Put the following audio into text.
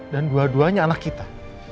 dan dua duanya anak kita